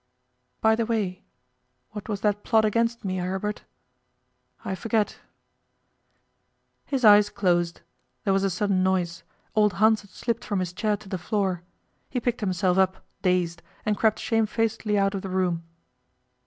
By the way, what was that plot against me, Aribert? I forget, I forget.' His eyes closed. There was a sudden noise. Old Hans had slipped from his chair to the floor. He picked himself up, dazed, and crept shamefacedly out of the room.